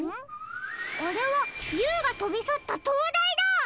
あれはＵがとびさったとうだいだ。